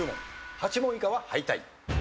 ８問以下は敗退。